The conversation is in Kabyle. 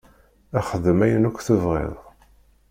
Xdem ayen akk tebɣiḍ.